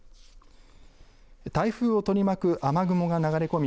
台風を取り巻く雨雲が流れ込み